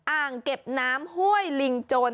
อ่างเก็บน้ำห้วยลิงโจร